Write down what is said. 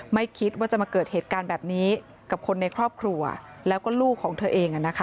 ไม่คิดว่าจะมาเกิดเหตุการณ์แบบนี้กับคนในครอบครัวแล้วก็ลูกของเธอเอง